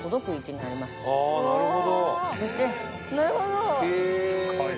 なるほど。